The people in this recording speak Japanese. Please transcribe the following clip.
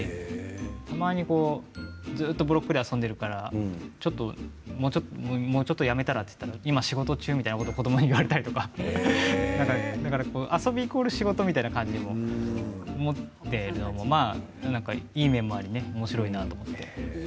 たまにずっとブロックで遊んでいるからもう、ちょっとやめたら？と言ったら今、仕事中みたいなことを子どもに言われたり遊びイコール仕事みたいな感じで思っているのもいい面もありおもしろいなと思って。